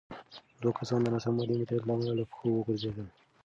دوه کسان د ناسم مالي مدیریت له امله له پښو وغورځېدل.